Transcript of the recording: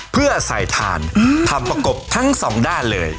เพื่อใส่ถ่านทำประกบทั้งสองด้านเลย